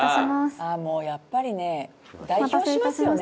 ああもうやっぱりね代表しますよね。